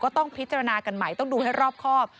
ต้องพิจารณากันใหม่ต้องดูให้รอบครอบ